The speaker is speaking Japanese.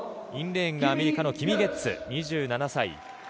インレーンがアメリカのキミ・ゲッツ、２７歳。